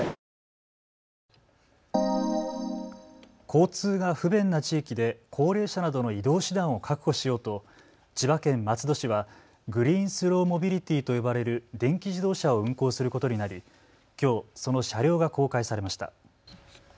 交通が不便な地域で高齢者などの移動手段を確保しようと千葉県松戸市はグリーンスローモビリティと呼ばれる電気自動車を運行することになりきょう、その車両が公開されました。